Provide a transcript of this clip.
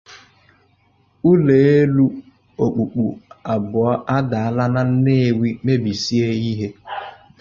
Ụlọelu Òkpùkpù Abụọ Adaala Na Nnewi, Mebisie Ihe